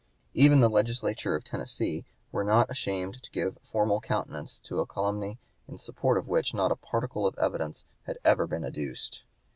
Even the legislature of Tennessee were not ashamed to give formal countenance to a calumny in support of which not a particle of evidence had ever been adduced.